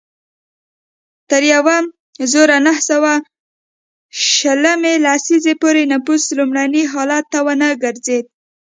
تر یوه زرو نهه سوه شلمې لسیزې پورې نفوس لومړني حالت ته ونه ګرځېد.